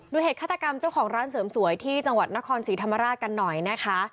เหตุฆาตกรรมเจ้าของร้านเสริมสวยที่จังหวัดนครศรีธรรมราชกันหน่อยนะคะ